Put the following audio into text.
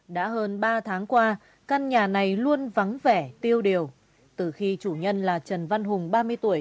đã hơn ba tháng qua căn nhà này luôn vắng vẻ tiêu điều từ khi chủ nhân là trần văn hùng ba mươi tuổi